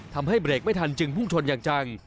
ทำให้เบรกไม่ทันจึงพุ่งชนอย่างจัง